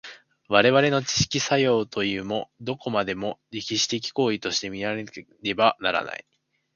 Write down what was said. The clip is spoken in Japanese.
我々の知識作用というも、どこまでも歴史的行為として見られねばならない。